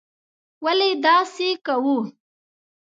ولې داسې کوو.